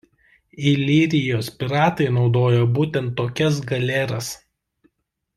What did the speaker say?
Ilyrijos piratai naudojo būtent tokias galeras.